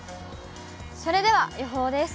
それでは予報です。